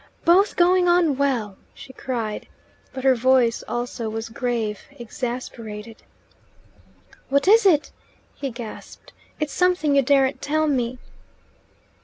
"Both going on well!" she cried; but her voice also was grave, exasperated. "What is it?" he gasped. "It's something you daren't tell me."